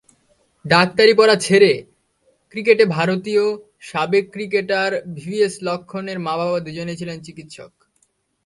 ডাক্তারি পড়া ছেড়ে ক্রিকেটেভারতীয় সাবেক ক্রিকেটার ভিভিএস লক্ষ্মণের মা-বাবা দুজনেই ছিলেন চিকিৎসক।